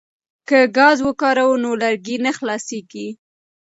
که ګاز وکاروو نو لرګي نه خلاصیږي.